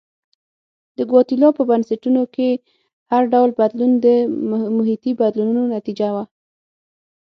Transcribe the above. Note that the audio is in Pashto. د ګواتیلا په بنسټونو کې هر ډول بدلون د محیطي بدلونونو نتیجه وه.